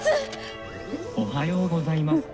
「おはようございます」。